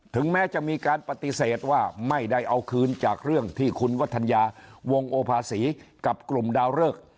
ถึงแม้จะมีการปฏิเสธว่าไม่ได้เอาคืนจากเรื่องที่คุณวัฒนยาวงโอภาษีกับกลุ่มดาวเริก